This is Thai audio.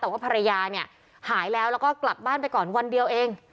แต่ว่าภรรยาเนี่ยหายแล้วแล้วก็กลับบ้านไปก่อนวันเดียวเอง